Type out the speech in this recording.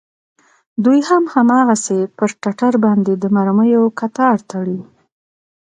دوى هم هماغسې پر ټټر باندې د مرميو کتار تړي.